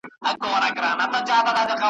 ارواح ښاد علامه عبدالشکور رشاد